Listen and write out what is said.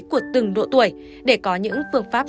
của từng độ tuổi để có những phương pháp